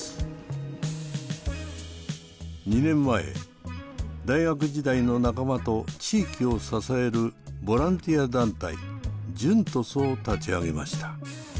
２年前大学時代の仲間と地域を支えるボランティア団体「ＪＵＮＴＯＳ」を立ち上げました。